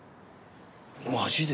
マジで？